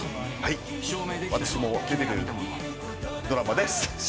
私も出ているドラマです。